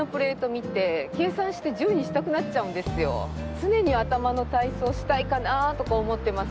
常に頭の体操をしたいかなとか思ってます。